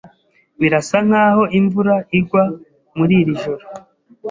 Birasa nkaho imvura igwa muri iri joro.